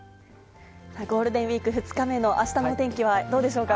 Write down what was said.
ゴールデンウィーク２日目のあしたのお天気はどうでしょうか。